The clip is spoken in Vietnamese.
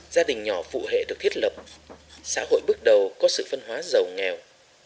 gia đình nhỏ phụ hệ được thiết lập xã hội bước đầu có sự phân hóa giàu nghèo